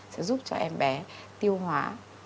sẽ giúp cho em bé tiêu hóa